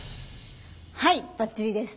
はいバッチリです。